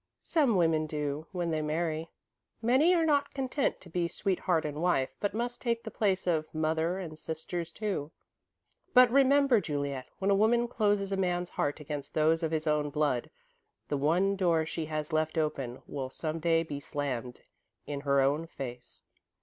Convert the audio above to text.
"Some women do, when they marry. Many are not content to be sweetheart and wife, but must take the place of mother and sisters too. But remember, Juliet, when a woman closes a man's heart against those of his own blood, the one door she has left open will some day be slammed in her own face."